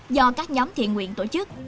do các nhóm thiện nguyện tổ chức